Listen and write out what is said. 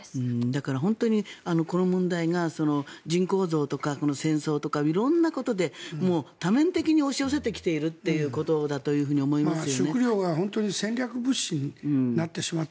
だから、本当にこの問題が人口増とかこの戦争とか色んなことで多面的に押し寄せてきているということだと思います。